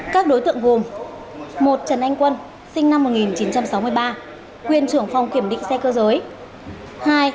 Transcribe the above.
các đối tượng gồm một trần anh quân sinh năm một nghìn chín trăm sáu mươi ba quyền trưởng phòng kiểm định xe cơ giới